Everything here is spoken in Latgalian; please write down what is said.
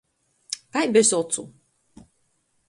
Kai bez ocu!